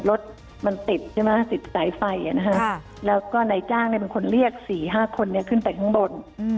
รถมันติดใช่ไหมติดสายไฟแล้วก็นายจ้างเป็นคนเรียก๔๕คนขึ้นไปข้างบน